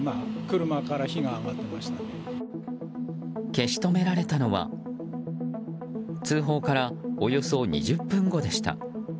消し止められたのは通報からおよそ２０分後でした。